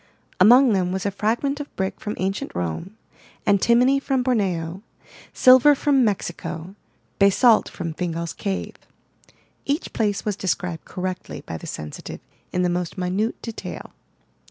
Among them was a fragment of brick from ancient Rome, Antimony from Borneo, Silver from Mexico, Basalt from Fingal's Cave. Each place was described correctly by the sensitive in the most minute detail.